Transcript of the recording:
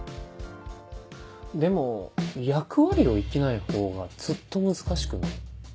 でも役割を生きない方がずっと難しくない？